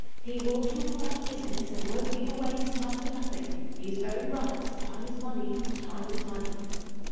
He will talk about business, and won't give away his time for nothing. He's very right. Time is money, time is money.